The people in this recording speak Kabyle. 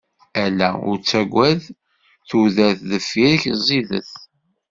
Ala ur ttagad, tudert deffir-k ẓidet.